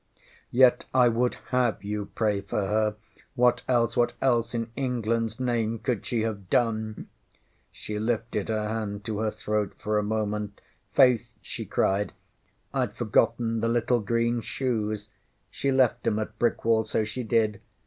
Yet I would have you pray for her! What else what else in EnglandŌĆÖs name could she have done? ŌĆÖ She lifted her hand to her throat for a moment. ŌĆśFaith, ŌĆÖ she cried, ŌĆśIŌĆÖd forgotten the little green shoes! She left ŌĆśem at Brickwall so she did.